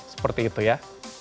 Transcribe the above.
seperti itu ya